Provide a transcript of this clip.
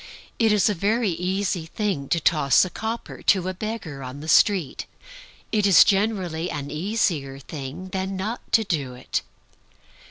It is a very easy thing to toss a copper to a beggar on the street; it is generally an easier thing than not to do it.